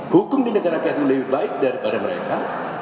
hukum di negara kita lebih baik daripada mereka